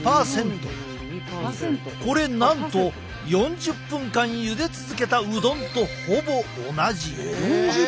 これなんと４０分間ゆで続けたうどんとほぼ同じ。え！